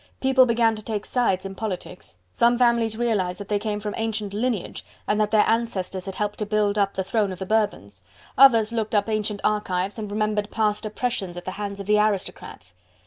People began to take sides in politics. Some families realized that they came from ancient lineage, and that their ancestors had helped to build up the throne of the Bourbons. Others looked up ancient archives and remembered past oppressions at the hands of the aristocrats.